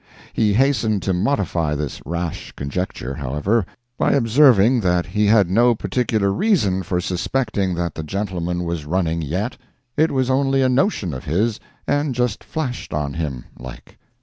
He hastened to modify this rash conjecture, however, by observing that he had no particular reason for suspecting that the gentleman was running yet—it was only a notion of his, and just flashed on him, like.